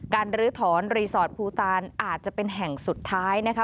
ลื้อถอนรีสอร์ทภูตานอาจจะเป็นแห่งสุดท้ายนะคะ